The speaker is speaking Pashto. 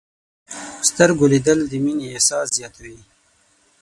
په سترګو لیدل د مینې احساس زیاتوي